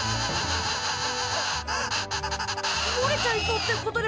もれちゃいそうってことですか？